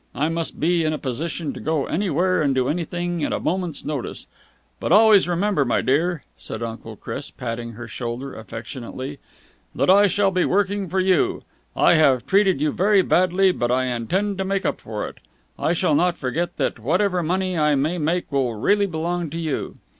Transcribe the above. I must be in a position to go anywhere and do anything at a moment's notice. But always remember, my dear," said Uncle Chris, patting her shoulder affectionately, "that I shall be working for you. I have treated you very badly, but I intend to make up for it. I shall not forget that whatever money I may make will really belong to you."